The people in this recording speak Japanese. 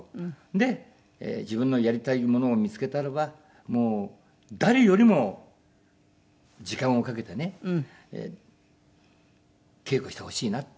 で自分のやりたいものを見付けたらばもう誰よりも時間をかけてね稽古してほしいな。